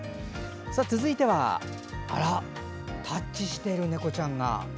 続いては、タッチしてる猫ちゃんが。